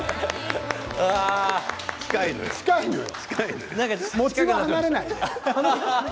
近いのよ。